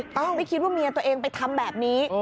ไม่คิดว่าเมียตัวเองไปทำแบบนี้